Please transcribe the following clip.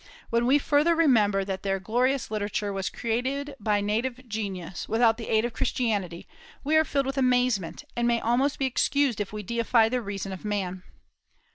When we further remember that their glorious literature was created by native genius, without the aid of Christianity, we are filled with amazement, and may almost be excused if we deify the reason of man.